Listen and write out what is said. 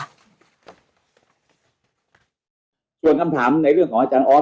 ส่วนคำถามในเรื่องของอาจารย์ออส